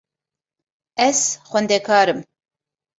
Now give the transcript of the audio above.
Ez xwendekar im.